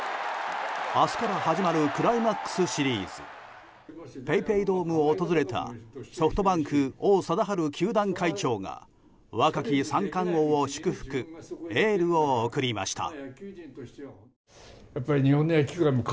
明日から始まるクライマックスシリーズ。ＰａｙＰａｙドームを訪れたソフトバンク王貞治球団会長が若き三冠王を祝福エールを送りました。